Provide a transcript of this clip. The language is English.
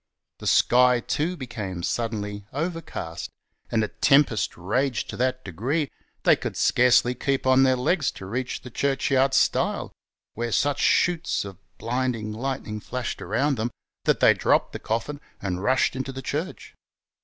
The sky, too, became suddenly overcast, and a tempest raged to that degree, they coidd scarcely keep on their legs to reach the churchyard stile, where such sheets of blinding lightning flashed around them, that they dropped the coffin and rushed into the church.